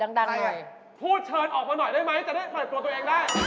ยิงอยากร้อยไหมจะได้ปะป่อนตัวเองได้